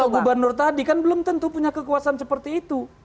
kalau bu bandur tadi kan belum tentu punya kekuasaan seperti itu